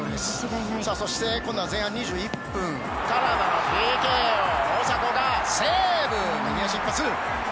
そして今度は前半２１分カナダのＰＫを大迫がセーブ！